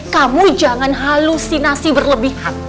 kamu jangan halusinasi berlebihan